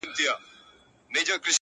څلوريځه ـ